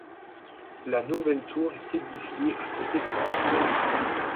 La nouvelle tour est édifiée à côté de l'ancienne.